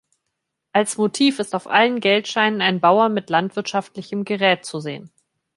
Als Motiv ist auf allen Geldscheinen ein Bauer mit landwirtschaftlichem Gerät zu sehen.